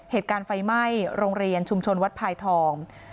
เหตุการณ์ไฟไหม้โรงเรียนชุมชนวัดพายทอง